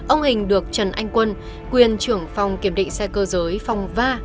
ông hình được trần anh quân quyền trưởng phòng kiểm định xe cơ giới phòng ba